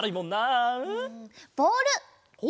ボール。